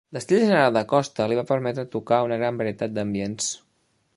L'estil general de Costa li va permetre tocar a una gran varietat d'ambients.